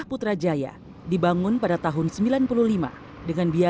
kuala lumpur indonesia